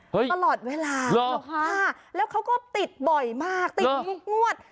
เฮ้ยเหรอตลอดเวลานะคะแล้วเขาก็ติดบ่อยมากติดงวด